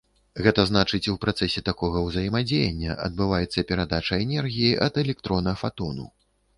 Гэта значыць, у працэсе такога ўзаемадзеяння адбываецца перадача энергіі ад электрона фатону.